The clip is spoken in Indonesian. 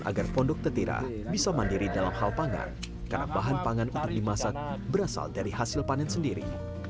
agar pondok tetira bisa mandiri dalam hal pangan karena bahan pangan untuk dimasak berasal dari hasil panen sendiri